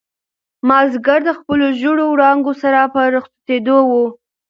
مازیګر د خپلو ژېړو وړانګو سره په رخصتېدو و.